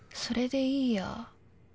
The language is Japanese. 「それでいいや」？